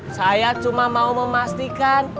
saya cuma mau memastikan